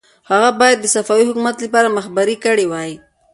هغه باید د صفوي حکومت لپاره مخبري کړې وای.